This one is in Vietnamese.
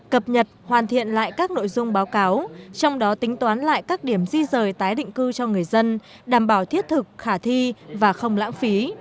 cập nhật hoàn thiện lại các nội dung báo cáo trong đó tính toán lại các điểm di rời tái định cư cho người dân đảm bảo thiết thực khả thi và không lãng phí